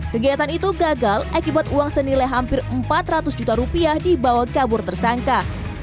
kegiatan itu gagal akibat uang senilai hampir empat ratus juta rupiah dibawa kabur tersangka